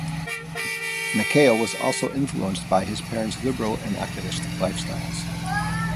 McKayle was also influenced by his parents liberal and activist lifestyles.